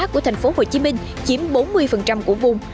lượng hàng hóa của tp hcm chiếm bốn mươi của vùng